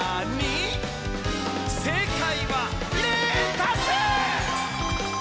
「正解は『レタス！』」